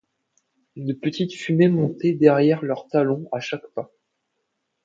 De petites fumées montaient derrière leurs talons, à chaque pas.